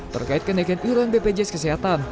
terkait kenaikan iuran bpjs kesehatan